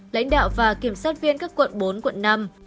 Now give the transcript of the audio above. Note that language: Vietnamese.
lãnh đạo và kiểm sát viên các quận bốn quận năm